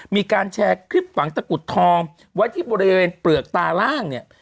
มีการแชร์คลิปฝังตะกุดทองไว้ที่บริเวณเปลือกตาล่างเนี่ย